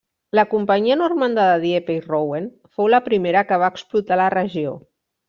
La companyia normanda de Dieppe i Rouen fou la primera que va explotar la regió.